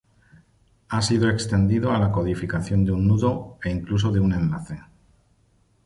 Ha sido extendido a la codificación de un nudo, e incluso de un enlace.